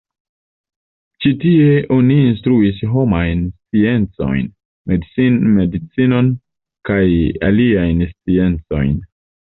Ĉi tie oni instruis homajn sciencojn, medicinon kaj aliajn sciencojn.